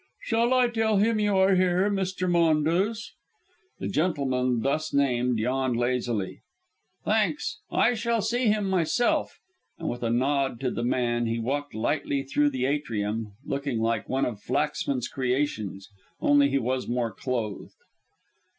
"Shall I tell him you are here, Mr. Maunders?" The gentleman thus named yawned lazily. "Thanks, I shall see him myself;" and with a nod to the man, he walked lightly through the atrium, looking like one of Flaxman's creations, only he was more clothed.